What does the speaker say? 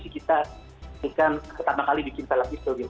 bukan pertama kali bikin film gitu